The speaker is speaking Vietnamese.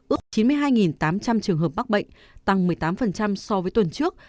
ước chín mươi hai tám trăm linh trường hợp mắc bệnh tăng một mươi tám so với tuần trước